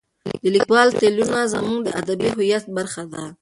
د لیکوالو تلینونه زموږ د ادبي هویت برخه ده.